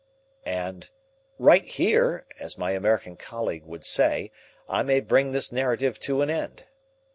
And "right here," as my American colleague would say, I may bring this narrative to an end.